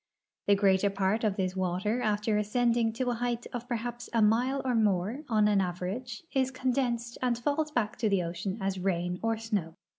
The greater part of this water after ascending to a height of perha})S a mile or more, on an average, is condensed and falls back to the ocean as rain or snow.